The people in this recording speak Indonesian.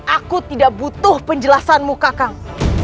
aku tidak butuh penjelasanmu kakang